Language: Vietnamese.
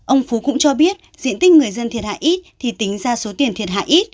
ông phú cũng cho biết diện tích người dân thiệt hại ít thì tính ra số tiền thiệt hại ít